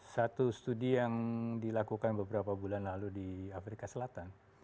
satu studi yang dilakukan beberapa bulan lalu di afrika selatan